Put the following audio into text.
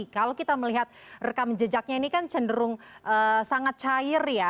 kalau kita melihat rekam jejaknya ini kan cenderung sangat cair ya